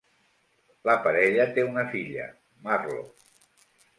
La parella té una filla, Marlo.